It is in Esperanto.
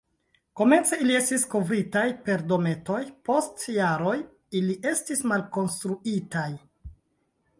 Komence ili estis kovritaj per dometoj, post jaroj ili estis malkonstruitaj.